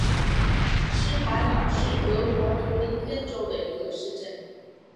施塔瑙是德国图林根州的一个市镇。